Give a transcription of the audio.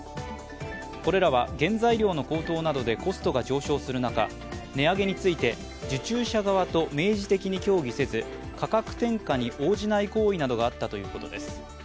これらは原材料の高騰などでコストが上昇せず値上げについて受注者側と明示的に協議せず価格転嫁に応じない行為があったということです。